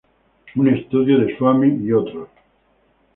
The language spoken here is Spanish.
Un estudio de Swami et al.